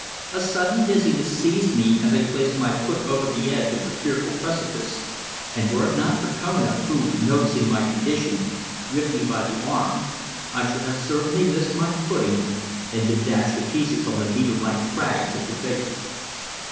A sudden dizziness seized me as I placed my foot over the edge of the fearful precipice, and were it not for Kona, who, noticing my condition, gripped me by the arm, I should have certainly missed my footing and been dashed to pieces on the needle like crags at the base.